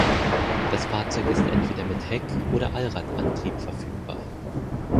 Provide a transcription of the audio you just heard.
Das Fahrzeug ist entweder mit Heck- oder Allradantrieb verfügbar.